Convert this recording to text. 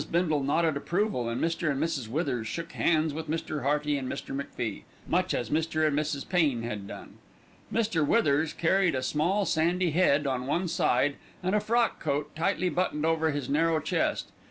Bindle nodded approval, and Mr. and Mrs. Withers shook hands with Mr. Hearty and Mr. MacFie, much as Mr. and Mrs. Pain had done. Mr. Withers carried a small sandy head on one side, and a frock coat tightly buttoned over his narrow chest.